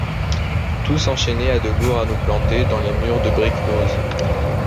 Tous enchaînés à de lourds anneaux plantés dans les murs de brique rose.